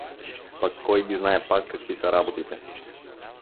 … Па кой ги знае пак какви са работите!